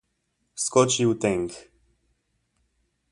Skoči u tenk!